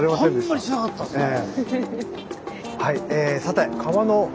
あんまりしなかったですね。